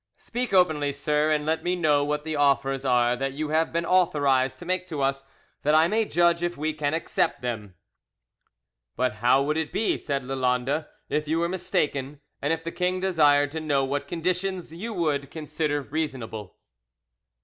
Speak openly, sir, and let me know what the offers are that you have been authorised to make to us, that I may judge if we can accept them." "But how would it be," said Lalande, "if you were mistaken, and if the king desired to know what conditions you would consider reasonable?"